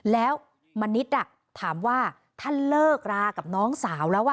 แล้วมณิษฐ์ถามว่าถ้าเลิกรากับน้องสาวแล้ว